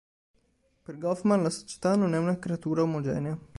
Per Goffman, la società non è una creatura omogenea.